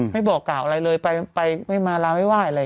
ไม่บอกก่าวอะไรเลยไปไม่มาล้ามายอะไร